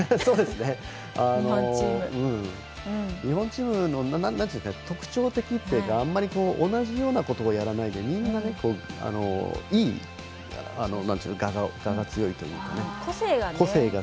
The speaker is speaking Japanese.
日本チームの特徴的っていうかあんまり同じようなことをやらないでみんな、我が強いというかね。